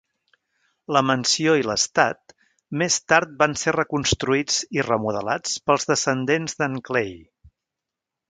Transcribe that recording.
La mansió i l'estat, més tard van ser reconstruïts i remodelats pels descendents d'en Clay.